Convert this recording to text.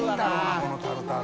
このタルタル。